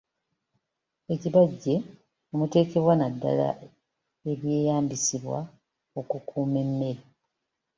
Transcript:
Ekibajje omuterekwa naddala ebyeyambisibwa okukuuma emmere.